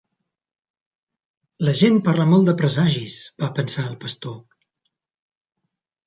La gent parla molt de presagis, va pensar el pastor.